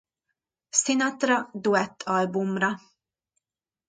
Sinatra duett albumra.